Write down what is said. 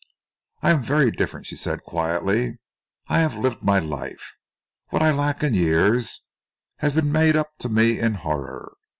"I am very different," she said quietly. "I have lived my life. What I lack in years has been made up to me in horror.